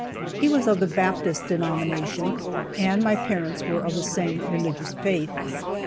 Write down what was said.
He was of the Baptist denomination, and my parents were of the same religious faith.